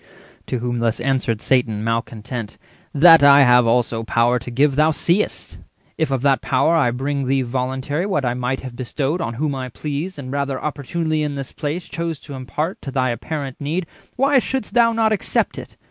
To whom thus answered Satan, male content:— "That I have also power to give thou seest; If of that power I bring thee voluntary What I might have bestowed on whom I pleased, And rather opportunely in this place Chose to impart to thy apparent need, Why shouldst thou not accept it?